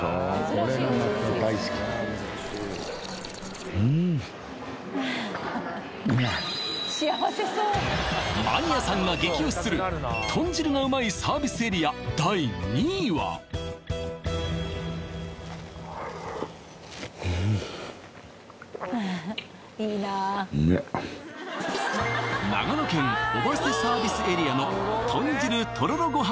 これがまた大好きマニアさんが激推しする豚汁がうまいサービスエリア第２位は長野県姨捨サービスエリアの豚汁とろろご飯